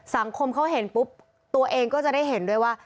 สังคมเขาเห็นปุ๊บตัวเองก็จะได้เห็นด้วยว่า